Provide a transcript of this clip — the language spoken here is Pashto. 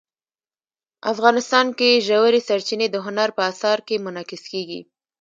افغانستان کې ژورې سرچینې د هنر په اثار کې منعکس کېږي.